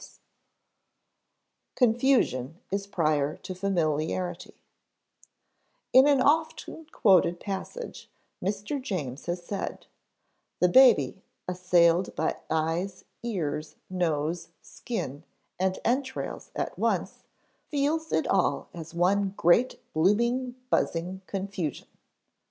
[Sidenote: Confusion is prior to familiarity] In an often quoted passage, Mr. James has said: "The baby, assailed by eyes, ears, nose, skin, and entrails at once, feels it all as one great blooming, buzzing confusion."